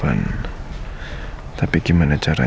yang pertama kali kuhantin anjing refresh